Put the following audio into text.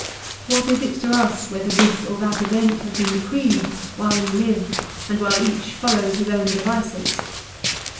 What is it to us whether this or that event has been decreed while we live, and while each follows his own devices